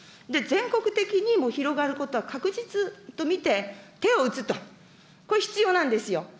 全国的にもう広がることは確実と見て、手を打つと、これ、必要なんですよ。